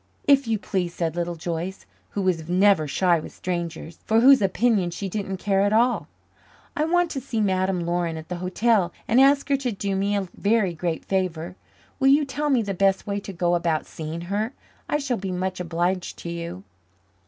"If you please," said Little Joyce, who was never shy with strangers, for whose opinion she didn't care at all, "I want to see Madame Laurin at the hotel and ask her to do me a very great favour. Will you tell me the best way to go about seeing her? I shall be much obliged to you."